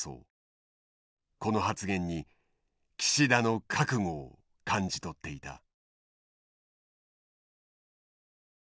この発言に岸田の覚悟を感じ取っていた。